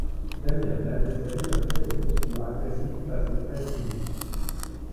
Damien Dalassène maintient une posture agressive face aux Fatimides.